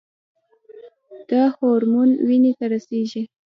دا هورمون وینې ته رسیږي.